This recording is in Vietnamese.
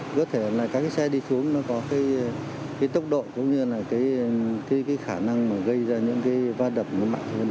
có thể là các cái xe đi xuống nó có cái tốc độ cũng như là cái khả năng mà gây ra những cái va đập nó mạnh hơn